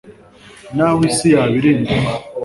n'aho isi yabirinduka